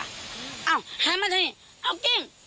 อ้าวหามาทางนี้อ้าวจริง